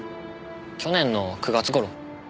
去年の９月頃。